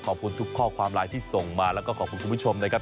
ขอบคุณทุกข้อความไลน์ที่ส่งมาแล้วก็ขอบคุณคุณผู้ชมนะครับ